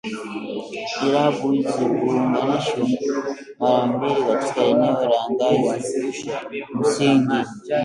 Irabu hizi huunganishwa mara mbili katika eneo la ngazi msingi